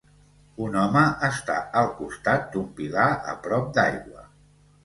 Un home està al costat d'un pilar a prop d'aigua.